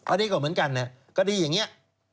อันนี้ก็เหมือนกันนะคดีอย่างนี้